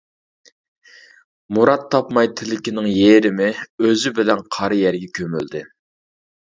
مۇراد تاپماي تىلىكىنىڭ يېرىمى، ئۆزى بىلەن قارا يەرگە كۆمۈلدى.